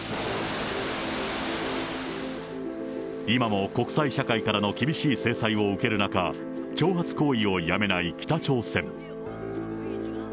今も国際社会からの厳しい制裁を受ける中、挑発行為をやめない北朝鮮。